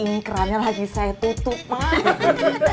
ingrannya lagi saya tutup mak